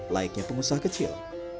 laiknya pengusaha kecil